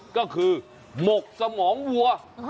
ก็คือหมกสมองวัว